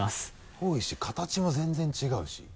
多いし形も全然違うし。